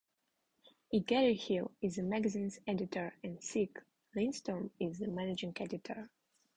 E. Garry Hill is the magazine's editor and Sieg Lindstrom is the managing editor.